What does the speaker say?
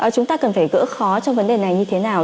chúng ta cần phải gỡ khó trong vấn đề này như thế nào